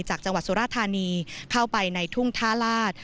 จากจังหวัดสุราธานีเข้าไปในทุ่งท่าลาศ